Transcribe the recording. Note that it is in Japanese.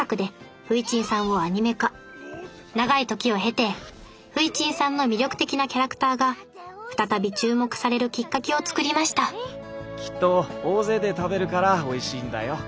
長い時を経て「フイチンさん」の魅力的なキャラクターが再び注目されるきっかけを作りましたきっと大勢で食べるからおいしいんだよ。